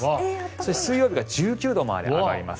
そして水曜日が１９度まで上がります。